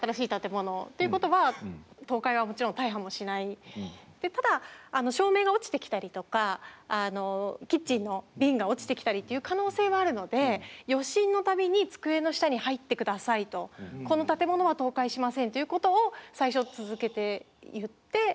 そのマークが全部ついてるただ照明が落ちてきたりとかキッチンの瓶が落ちてきたりっていう可能性はあるので余震の度に「机の下に入って下さい」と「この建物は倒壊しません」ということを最初続けて言って。